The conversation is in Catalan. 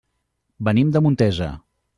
Venim de Montesa.